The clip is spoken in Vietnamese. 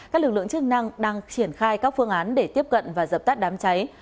các lực lượng chức năng đang triển khai các phương án để tiếp cận và dập tắt đám cháy